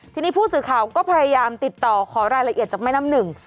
ทีนี้ผู้สื่อข่าวก็พยายามติดต่อขอรายละเอียดจากแม่น้ำหนึ่ง